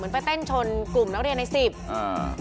ห้ามกันครับผม